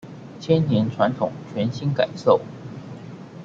千年傳統全新感受